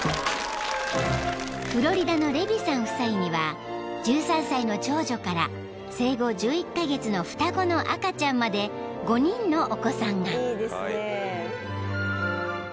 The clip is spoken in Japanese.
［フロリダのレビさん夫妻には１３歳の長女から生後１１カ月の双子の赤ちゃんまで５人のお子さんが］